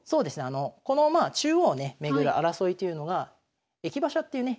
あのこのまあ中央をね巡る争いというのが「駅馬車」っていうね